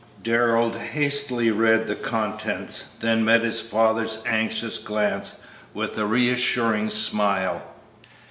Darrell hastily read the contents, then met his father's anxious glance with a reassuring smile.